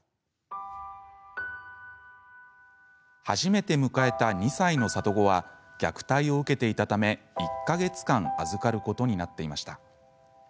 初めて迎えた２歳の里子は虐待を受けていたため、１か月間預かることになっていました。